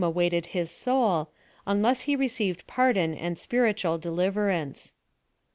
167 awaited his soul, unless he received pardon and spn itual deliverance.